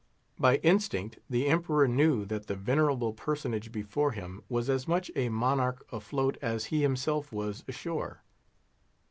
By instinct, the Emperor knew that the venerable personage before him was as much a monarch afloat as he himself was ashore.